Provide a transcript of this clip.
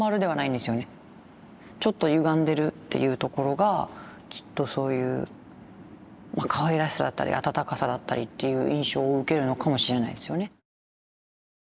ちょっとゆがんでるっていうところがきっとそういうかわいらしさだったり温かさだったりっていう印象を受けるのかもしれないですよね。